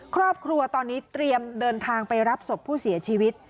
ครอบครัวตอนนี้เตรียมเดินทางไปรับศพผู้เสียชีวิต